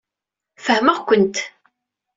Fehmeɣ-kent.